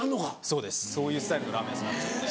そうですそういうスタイルのラーメン屋さんになっちゃって。